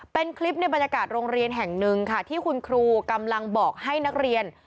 เป็นคลิปในบรรยากาศโรงเรียนแห่งหนึ่งค่ะที่คุณครูกำลังบอกให้นักเรียน